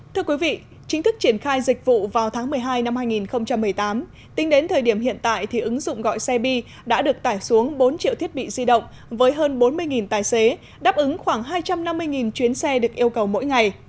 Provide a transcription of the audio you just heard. thưa quý vị chính thức triển khai dịch vụ vào tháng một mươi hai năm hai nghìn một mươi tám tính đến thời điểm hiện tại thì ứng dụng gọi xe bi đã được tải xuống bốn triệu thiết bị di động với hơn bốn mươi tài xế đáp ứng khoảng hai trăm năm mươi chuyến xe được yêu cầu mỗi ngày